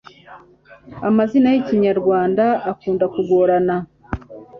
amazina y'ikinyarwanda akunda kugorana